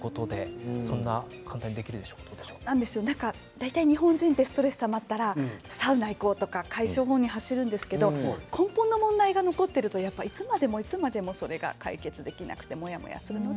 大体、日本人はストレスがたまったらサウナに行こうとか解消法に走るんですが根本の問題が残っているといつまでもそれが解決できなくてモヤモヤします。